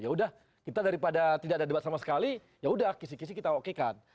ya udah kita daripada tidak ada debat sama sekali ya udah kisih kisih kita oke kan